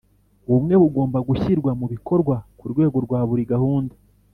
Ubumwe bugomba gushyirwa mu bikorwa ku rwego rwa buri gahunda